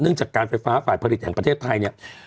จากการไฟฟ้าฝ่ายผลิตแห่งประเทศไทยเนี่ย